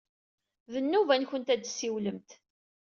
D nnuba-nwent ad d-tessiwlemt.